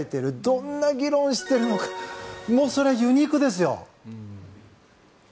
どんな議論しているのかもうそれはユニークですよ。